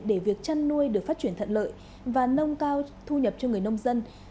để việc chăn nuôi được phát triển thận lợi và nâng cao thu nhập cho người nông dân